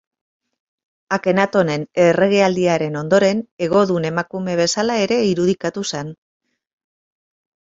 Akenatonen erregealdiaren ondoren, hegodun emakume bezala ere irudikatu zen.